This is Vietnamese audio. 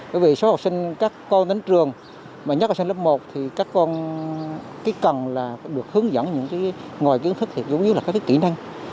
bởi vì số học sinh các con đến trường mà nhất là sinh lớp một thì các con cái cần là được hướng dẫn những cái ngoài kiến thức thì giống như là các cái kỹ năng